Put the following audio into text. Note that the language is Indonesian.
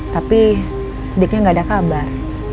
tapi diknya gak ada kabar